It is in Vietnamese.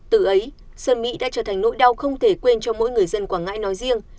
từ ấy sơn mỹ đã trở thành nỗi đau không thể quên cho mỗi người dân quảng ngãi nói riêng